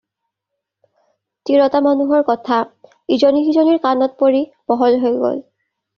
তিৰোতা মানুহৰ কথা, ইজনী সিজনীৰ কাণত পৰি বহল হৈ গ'ল।